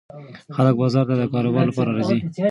خلک بازار ته د کاروبار لپاره راځي.